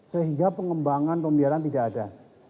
sehingga pengembangan pembiaran tidak ada